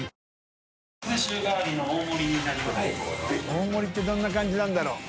淵劵蹈漾大盛りってどんな感じなんだろう？